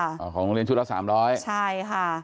ของโรงเรียนชุดละ๓๐๐ใช่ค่ะ